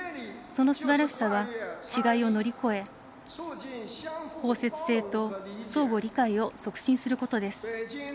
そのすばらしさは違いを乗り越え創設性と相互理解を促進することです。